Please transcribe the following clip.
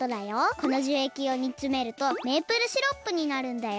この樹液をにつめるとメープルシロップになるんだよ。